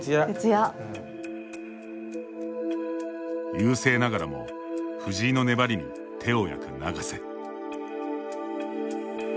優勢ながらも藤井の粘りに手を焼く永瀬。